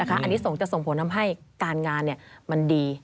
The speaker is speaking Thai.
อันนี้จะส่งผลทำให้การงานมันดี